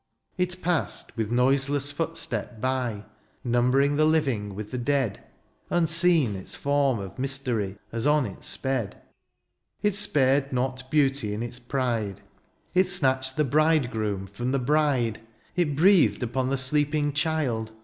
It passed with noiseless footstep by, Nimibering the living with the dead ; Unseen its form of mystery. As on it sped ! It spared not beauty in its pride ; It snatched the bridegroom from the bride ; It breathed upon the sleeping child.